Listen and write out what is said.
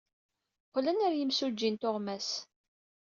Qqlen ɣer yimsujji n tuɣmas.